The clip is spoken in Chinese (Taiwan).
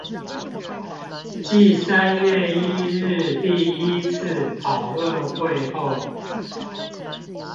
繼三月一日第一次討論會後